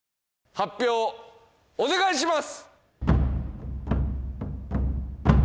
発表をお願いします